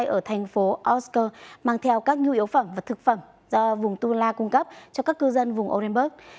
máy bay ở thành phố oskar mang theo các nhu yếu phẩm và thực phẩm do vùng tula cung cấp cho các cư dân vùng orenburg